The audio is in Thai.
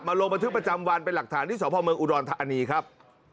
ลงบันทึกประจำวันเป็นหลักฐานที่สพเมืองอุดรธานีครับ